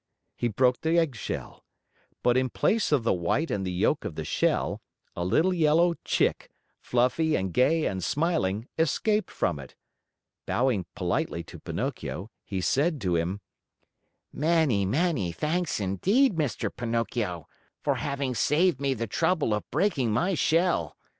he broke the eggshell. But in place of the white and the yolk of the egg, a little yellow Chick, fluffy and gay and smiling, escaped from it. Bowing politely to Pinocchio, he said to him: "Many, many thanks, indeed, Mr. Pinocchio, for having saved me the trouble of breaking my shell!